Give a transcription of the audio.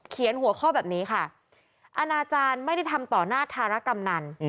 หัวข้อแบบนี้ค่ะอาณาจารย์ไม่ได้ทำต่อหน้าธารกำนัน